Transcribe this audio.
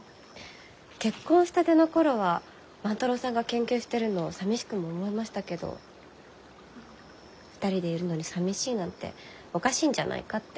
結婚したての頃は万太郎さんが研究してるのさみしくも思いましたけど２人でいるのにさみしいなんておかしいんじゃないかって。